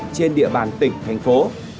trên địa bàn tỉnh thành phố